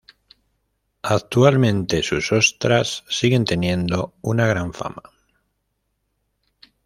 Actualmente, sus ostras siguen teniendo una gran fama.